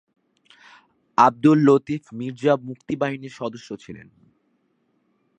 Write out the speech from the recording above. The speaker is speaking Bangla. আবদুল লতিফ মির্জা মুক্তিবাহিনীর সদস্য ছিলেন।